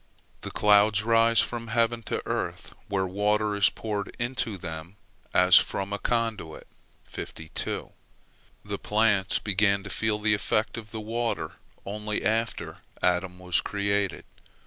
The clouds rise from earth to heaven, where water is poured into them as from a conduit. The plants began to feel the effect of the water only after Adam was created.